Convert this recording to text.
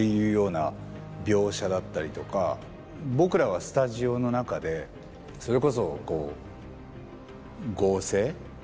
僕らはスタジオの中でそれこそ合成。